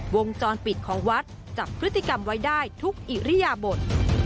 วงจรปิดของวัดจับพฤติกรรมไว้ได้ทุกอิริยบท